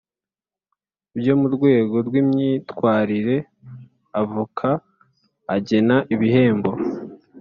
byo mu rwego rw imyitwarire Avoka agena ibihembo